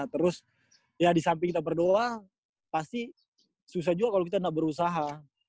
terus ya disamping kita berdoa pasti susah juga kalo kita gak berusaha